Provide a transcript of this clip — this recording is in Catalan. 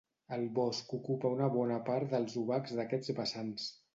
El bosc ocupa una bona part dels obacs d'aquests vessants.